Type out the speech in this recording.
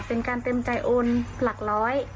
เป็นการเต็มใจโอนหลักร้อย